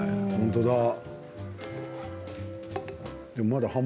本当だ。